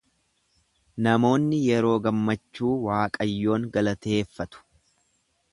Namoonni yeroo gammachuu Waaqayyoon galateeffatu.